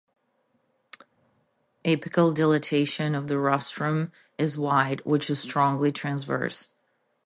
Apical dilatation of the rostrum is wide which is strongly transverse.